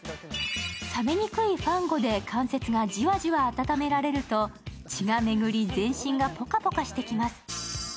冷めにくいファンゴで関節がじわじわ温められると、血が巡り、全身がポカポカしてきます。